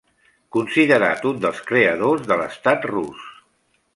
Considerat un dels creadors de l'estat rus.